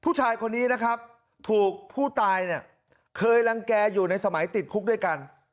ผู้ชายคนนี้นะครับถูกผู้ตายเนี่ยเคยรังแก่อยู่ในสมัยติดคุกด้วยกัน